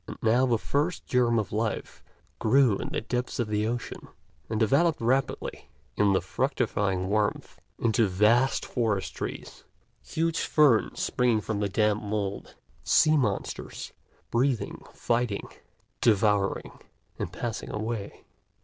And now the first germ of life grew in the depths of the ocean, and developed rapidly in the fructifying warmth into vast forest trees, huge ferns springing from the damp mould, sea monsters breeding, fighting, devouring, and passing away.